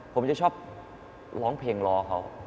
ผมจะชอบร้องเพลงล้อเขา